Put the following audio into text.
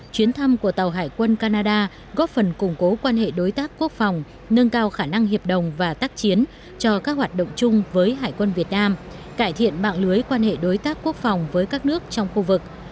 chuyến thăm của tàu hải quân canada góp phần củng cố quan hệ đối tác quốc phòng nâng cao khả năng hiệp đồng và tác chiến cho các hoạt động chung với hải quân việt nam cải thiện mạng lưới quan hệ đối tác quốc phòng với các nước trong khu vực